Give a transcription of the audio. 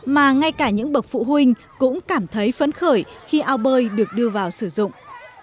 mà ngay cả những bậc phụ huynh cũng cảm thấy phấn khởi khi ao bơi được đưa vào sử dụng